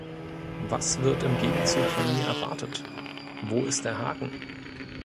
Was wird im Gegenzug von mir erwartet? Wo ist der Haken?